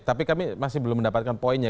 tapi kami masih belum mendapatkan poinnya